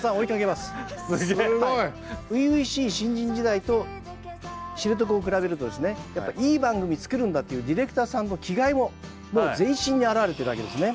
すごい。初々しい新人時代と知床を比べるといい番組作るんだというディレクターさんの気概ももう全身に表れているわけですね。